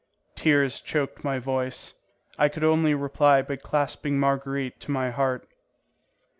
Tears choked my voice. I could only reply by clasping Marguerite to my heart.